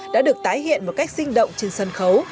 đã được tái hiện một cách sinh động trên sân khấu